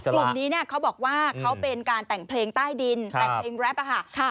กลุ่มนี้เนี่ยเขาบอกว่าเขาเป็นการแต่งเพลงใต้ดินแต่งเพลงแรปค่ะ